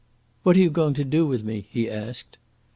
"What are you going to do with me?" he asked.